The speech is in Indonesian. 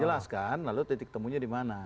jelaskan lalu titik temunya dimana